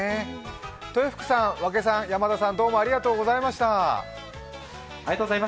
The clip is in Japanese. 豊福さん、山田さん、和氣さん、ありがとうございました。